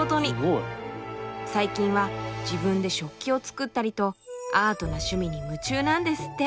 最近は自分で食器を作ったりとアートな趣味に夢中なんですって！